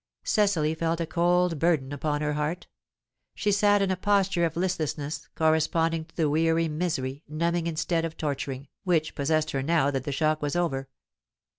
Cecily felt a cold burden upon her heart. She sat in a posture of listlessness, corresponding to the weary misery, numbing instead of torturing, which possessed her now that the shock was over.